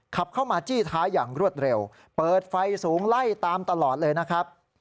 ขับเข้ามาจี้ท้ายอย่างรวดเร็วเปิดไฟสูงไล่ตามตลอดเลยนะครับ